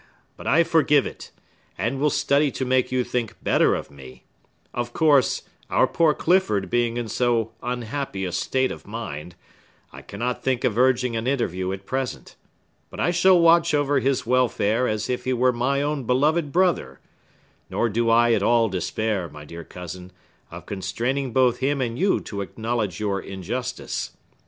But I forgive it, and will study to make you think better of me. Of course, our poor Clifford being in so unhappy a state of mind, I cannot think of urging an interview at present. But I shall watch over his welfare as if he were my own beloved brother; nor do I at all despair, my dear cousin, of constraining both him and you to acknowledge your injustice.